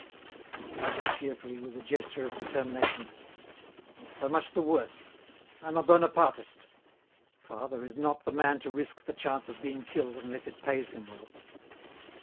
And he added cheerfully, with a gesture of determination: "Well, so much the worse! I'm a Bonapartist! Father is not the man to risk the chance of being killed unless it pays him well."